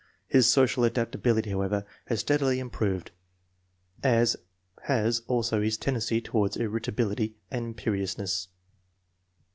His social adaptability, however, has steadily improved, as has also his tendency toward ir ritability and imperiousness.